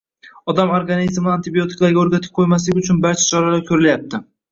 Odam organizmini antibiotiklarga o‘rgatib qo‘ymaslik uchun barcha choralar ko‘rilyapti